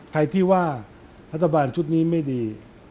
ใครที่ว่ารัฐบาลชุดนี้ไม่ดี